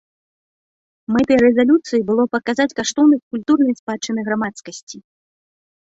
Мэтай рэзалюцыі было паказаць каштоўнасць культурнай спадчыны грамадскасці.